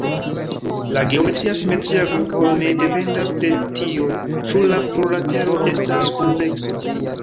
La geometria simetria grupo ne dependas de tio ĉu la plurlatero estas konveksa.